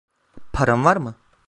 Paran var mı?